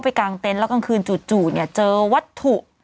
ในกลางคืนจู่เจอวัตถุ